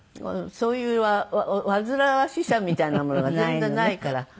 そういう煩わしさみたいなものが全然ないから。